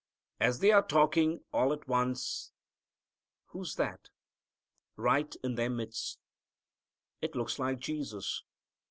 As they are talking, all at once who's that? right in their midst. It looks like Jesus.